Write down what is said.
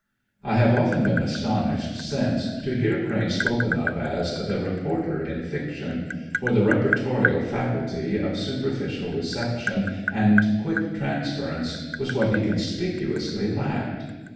I have often been astonished since to hear Crane spoken of as "the reporter in fiction," for the reportorial faculty of superficial reception and quick transference was what he conspicuously lacked.